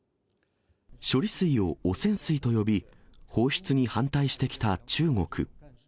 処理水を汚染水と呼び、放出に反対してきた中国。